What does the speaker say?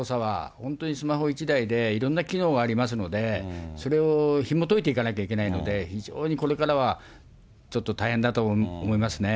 本当にスマホ１台でいろんな機能ありますんで、それをひもといていかなきゃいけないので、非常にこれからはちょっと大変だと思い